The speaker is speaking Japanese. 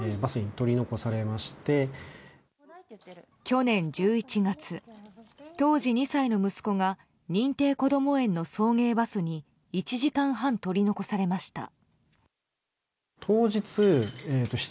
去年１１月、当時２歳の息子が認定こども園の送迎バスに１時間半、取り残されました。